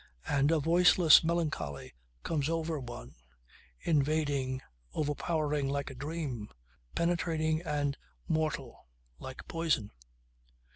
And a voiceless melancholy comes over one, invading, overpowering like a dream, penetrating and mortal like poison.